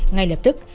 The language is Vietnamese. ngay lập tức